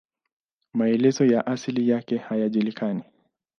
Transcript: Maelezo ya asili yake hayajulikani.